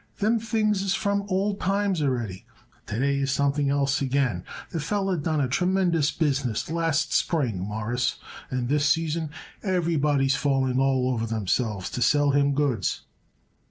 "Them things is from old times already. To day is something else again. That feller done a tremendous business last spring, Mawruss, and this season everybody is falling over themselves to sell him goods."